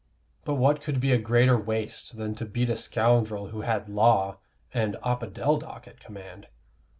But what could be a greater waste than to beat a scoundrel who had law and opodeldoc at command?